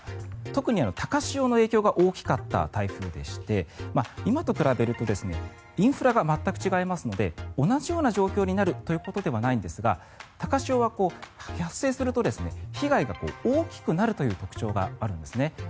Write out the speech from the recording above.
特に高潮の影響が大きかった台風でして今と比べるとインフラが全く違いますので同じような状況になるということではないんですが高潮は発生すると被害が大きくなるという特徴があるんですね。